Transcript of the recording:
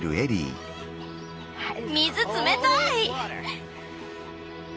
水冷たい！